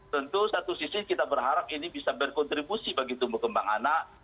tentu satu sisi kita berharap ini bisa berkontribusi bagi tumbuh kembang anak